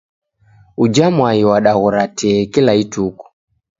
Uja mwai wadaghora tee kila ituku.